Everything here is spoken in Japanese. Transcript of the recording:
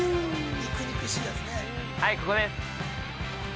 ◆はい、ここです。